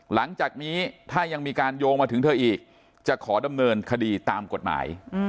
หลังจากนี้ถ้ายังมีการโยงมาถึงเธออีกจะขอดำเนินคดีตามกฎหมาย